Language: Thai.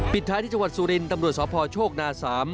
ท้ายที่จังหวัดสุรินทร์ตำรวจสพโชคนา๓